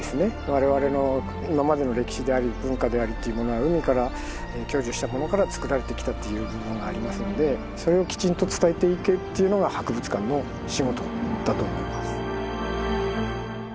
我々の今までの歴史であり文化でありというものは海から享受したものからつくられてきたという部分がありますのでそれをきちんと伝えていくというのが博物館の仕事だと思います。